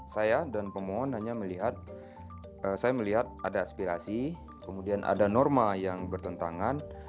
saya dan pemohon hanya melihat saya melihat ada aspirasi kemudian ada norma yang bertentangan